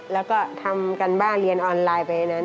แล้วก็ทำการบ้านเรียนออนไลน์ไปอันนั้น